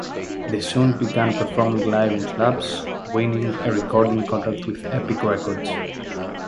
They soon began performing live in clubs, winning a recording contract with Epic Records.